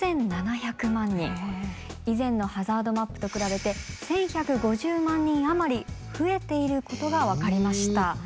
以前のハザードマップと比べて１，１５０万人余り増えていることが分かりました。